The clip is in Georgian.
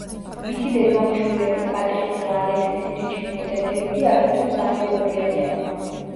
მისი დედმამიშვილები, პატრისია, ალექსისი, რიჩმონდი და დევიდი აგრეთვე მსახიობები არიან.